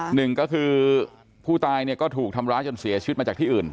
หนึ่งก็คือผู้ตายเนี่ยก็ถูกทำร้ายจนเสียชีวิตมาจากที่อื่น